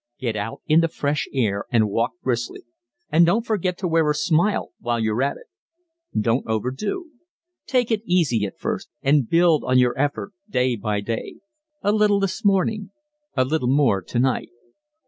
Get out in the fresh air and walk briskly and don't forget to wear a smile while you're at it. Don't over do. Take it easy at first and build on your effort day by day. A little this morning a little more tonight.